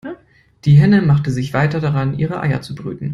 Die Henne machte sich weiter daran, ihre Eier zu brüten.